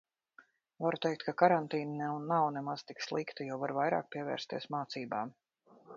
Varu teikt, ka karantīna nav nemaz tik slikta, jo var vairāk pievērsties mācībām.